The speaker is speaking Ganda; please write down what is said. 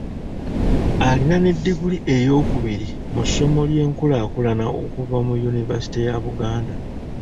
Alina ne ddiguli eyokubiri mu ssomo ly'enkulaakulana okuva ku yunivaasite ya Buganda.